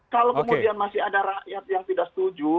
kalau kemudian masih ada rakyat yang tidak setuju